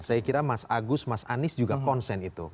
saya kira mas agus mas anies juga konsen itu